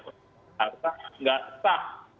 tak tak tidak tak